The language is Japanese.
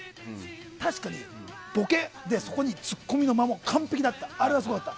確かに、ボケとそこにツッコミの間も完璧であれはすごかった。